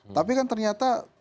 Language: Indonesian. tapi kan ternyata